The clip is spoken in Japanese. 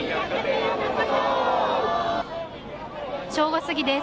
正午過ぎです。